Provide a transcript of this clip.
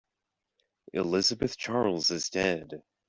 Elizabeth Charles is dead.